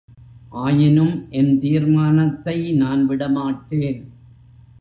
ஆயினும், என் தீர்மானத்தை நான் விடமாட்டேன்!